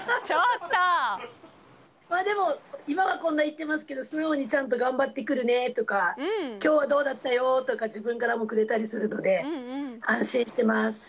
でも、今はこんな言ってますけど、素直に、頑張ってくるねとか、きょうはどうだったよとか、自分からもくれたりするので、安心してます。